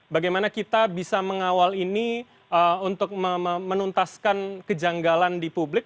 bagaimana kita bisa mengawal ini untuk menuntaskan kejanggalan di publik